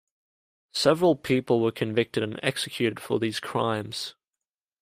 Several people were convicted and executed for these crimes.